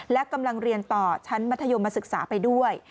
และกำลังเรียนต่อชั้นมัธยมศึกษาไปด้วย